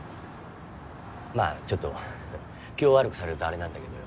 まあちょっとははっ気を悪くされるとあれなんだけどよ。